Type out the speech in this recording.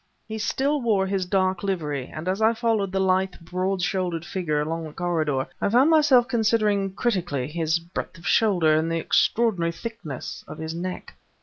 He still wore his dark livery, and as I followed the lithe, broad shouldered figure along the corridor, I found myself considering critically his breadth of shoulder and the extraordinary thickness of his neck.